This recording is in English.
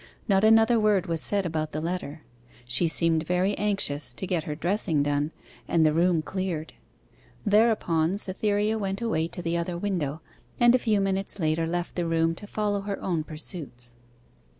Not another word was said about the letter: she seemed very anxious to get her dressing done, and the room cleared. Thereupon Cytherea went away to the other window, and a few minutes later left the room to follow her own pursuits.